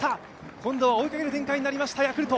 今度は追いかける展開になりました。